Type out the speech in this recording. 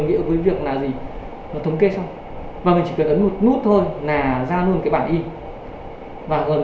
nghĩa với việc là gì thống kê xong và mình chỉ cần ấn một nút thôi là ra luôn cái bản y và gần